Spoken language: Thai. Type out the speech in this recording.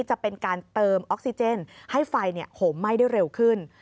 จะเป็นการเติมออกซิเจนให้ไฟห่มไหม้ได้เร็วขึ้น